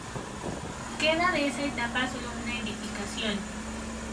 Queda de esa etapa solo una edificación.